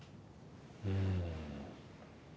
うん。